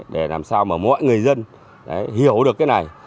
để làm sao mà mọi người dân hiểu được cái này